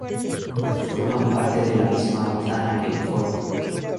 Forman parte de la misma manzana que el Foro.